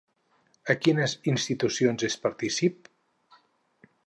A quines institucions és partícip?